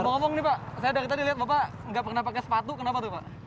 bapak ngomong nih pak saya dari tadi lihat bapak nggak pernah pakai sepatu kenapa tuh pak